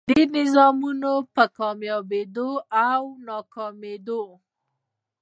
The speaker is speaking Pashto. دې نظامونو په کاميابېدو او ناکامېدو